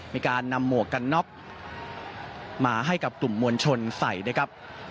มีการนำหมวกกันน็อกมาให้กับกลุ่มมวลชนใส่นะครับ